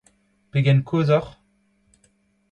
Pegen kozh oc'h ?